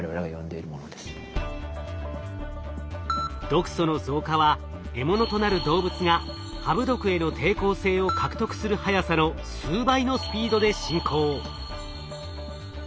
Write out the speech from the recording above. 毒素の増加は獲物となる動物がハブ毒への抵抗性を獲得する速さの数倍のスピードで進行。